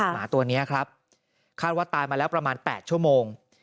หมาตัวนี้ครับคาดว่าตายมาแล้วประมาณ๘ชั่วโมง